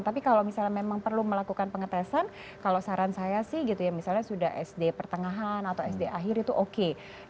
tapi kalau misalnya memang perlu melakukan pengetesan kalau saran saya sih gitu ya misalnya sudah sd pertengahan atau sd akhir itu oke